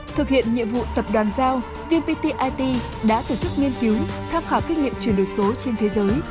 thực hiện nhiệm vụ tập đoàn giao vmpt it đã tổ chức nghiên cứu tham khảo kinh nghiệm chuyển đổi số trên thế giới